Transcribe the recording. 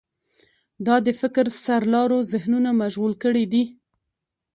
دا د فکر سرلارو ذهنونه مشغول کړي دي.